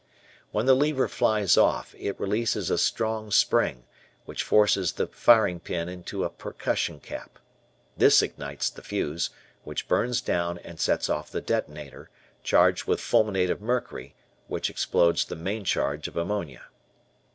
When the lever flies off, it releases a strong spring, which forces the firing pin into a percussion cap. This ignites the fuse, which burns down and sets off the detonator, charged with fulminate of mercury, which explodes the main charge of ammonia.